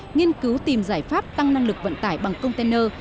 nghiên cứu tìm giải pháp tăng năng lực vận tải bằng container